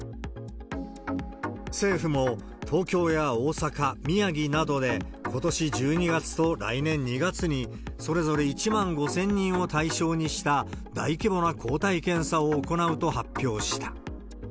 政府も東京や大阪、宮城などで、ことし１２月と来年２月に、それぞれ１万５０００人を対象にした大規模な抗体検査を行うと発表した。